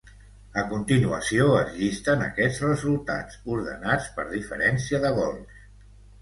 A continuació es llisten aquests resultats, ordenats per diferència de gols.